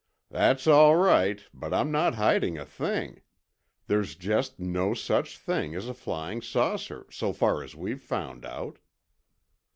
"That's all right—but I'm not hiding a thing. There's just no such thing as a flying saucer, so far as we've found out."